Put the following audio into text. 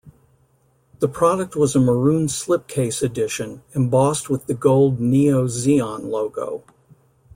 The product was a maroon slipcase edition embossed with the gold Neo Zeon logo.